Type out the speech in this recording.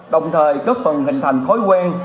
đồng thời góp phần hình thành khối quen